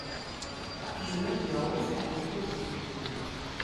Aqjun ad iṛwu, taḥbult ur tbeddu.